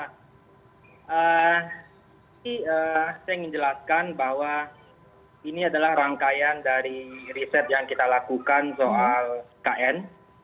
saya ingin jelaskan bahwa ini adalah rangkaian dari riset yang kita lakukan soal ikn